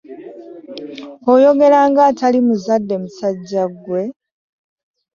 Oyogera nga atali muzadde musajja ggwe.